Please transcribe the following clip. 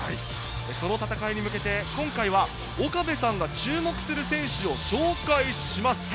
その戦いに向けて、今回は岡部さんが注目する選手を紹介します。